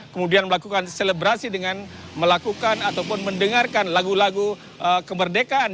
kemudian melakukan selebrasi dengan melakukan ataupun mendengarkan lagu lagu kemerdekaan